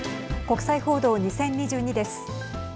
国際報道２０２２です。